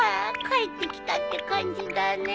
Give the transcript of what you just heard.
帰ってきたって感じだね。